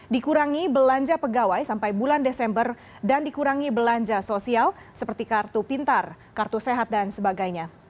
dikurangi belanja pegawai sampai bulan desember dan dikurangi belanja sosial seperti kartu pintar kartu sehat dan sebagainya